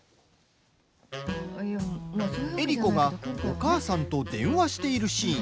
江里子が、お母さんと電話しているシーン。